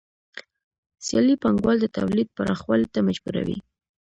سیالي پانګوال د تولید پراخوالي ته مجبوروي